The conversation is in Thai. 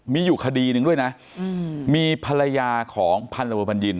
มีอยู่คดีหนึ่งด้วยนะมีภรรยาของพันธบัญญิน